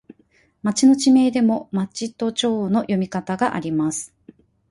町の地名でも、まちとちょうの読み方があります。